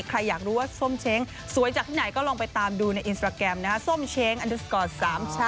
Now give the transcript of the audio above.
ใครอยากรู้ว่าส้มเช้งสวยจากที่ไหนก็ลองไปตามดูในอินสตราแกรมนะฮะส้มเช้งอันดูสกอร์๓๓